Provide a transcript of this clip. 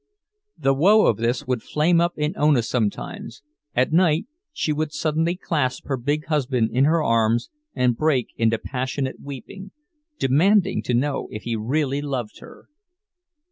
The woe of this would flame up in Ona sometimes—at night she would suddenly clasp her big husband in her arms and break into passionate weeping, demanding to know if he really loved her.